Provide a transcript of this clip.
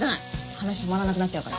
話止まらなくなっちゃうから。